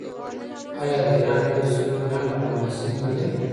آیا د ایران ملي سرود لنډ او حماسي نه دی؟